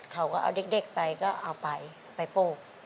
เขาก็เอาเด็กไปก็เอาไปไปปลูก